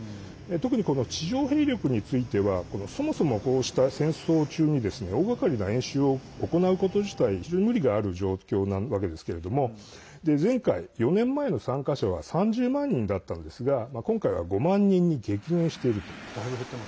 特に地上兵力についてはそもそも、こうした戦争中に大がかりな演習を行うこと自体非常に無理がある状況なわけですけれども前回、４年前の参加者は３０万人だったんですが今回は５万人に激減していると。